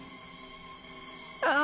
あ